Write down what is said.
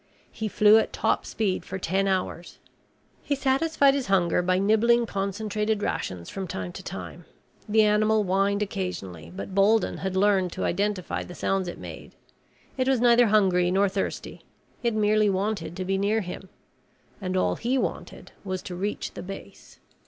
He flew at top speed for ten hours. He satisfied his hunger by nibbling concentrated rations from time to time. The animal whined occasionally, but Bolden had learned to identify the sounds it made. It was neither hungry nor thirsty. It merely wanted to be near him. And all he wanted was to reach the base.